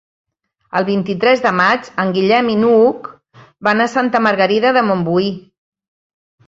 El vint-i-tres de maig en Guillem i n'Hug van a Santa Margarida de Montbui.